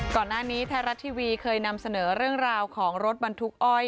ก่อนหน้านี้ไทยรัฐทีวีเคยนำเสนอเรื่องราวของรถบรรทุกอ้อย